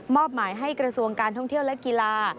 อบหมายให้กระทรวงการท่องเที่ยวและกีฬา